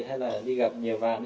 hay là đi gặp nhiều bạn